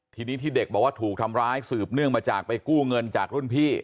ทีนี้ที่เด็กบอกว่าถูกทำร้ายสืบเนื่องมาจากไปกู้เงินจากรุ่นพี่